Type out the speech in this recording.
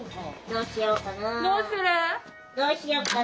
どうしようかな。